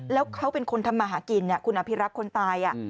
แล้วเขาเป็นคนทำมาหากินคุณอภิรักษ์คนตาย